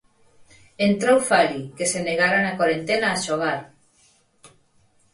Entrou Fali, que se negara na corentena a xogar.